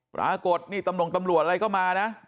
ปรากฏนี่ตำรวจอะไรก็มานะ